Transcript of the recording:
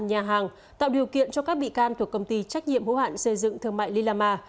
nhà hàng tạo điều kiện cho các bị can thuộc công ty trách nhiệm hữu hạn xây dựng thương mại lila ma